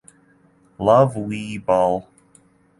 Love Wee Bull.